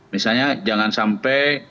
misalnya jangan sampai